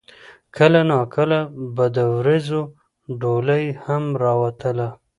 کله نا کله به د وريځو ډولۍ هم راوتله